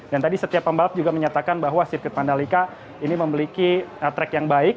dan tadi setiap pembalap juga menyatakan bahwa sirkuit mandalika ini memiliki track yang baik